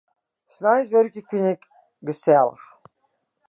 Sneins wurkje fyn ik gesellich.